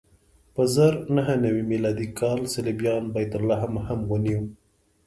په زر نهه نوې میلادي کال صلیبیانو بیت لحم هم ونیو.